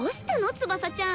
翼ちゃん。